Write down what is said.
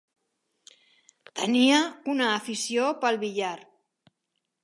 Tenia una afició pel billar.